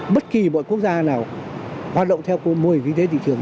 bất kỳ mọi quốc gia nào hoạt động theo mô hình kinh tế thị trường